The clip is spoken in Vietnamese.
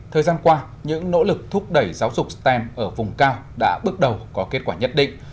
thời gian qua những nỗ lực thúc đẩy giáo dục stem ở vùng cao đã bước đầu có kết quả nhất định